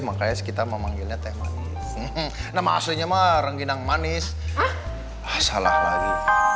manis kita memanggilnya teh manis namasunya mah ranginang manis salah lagi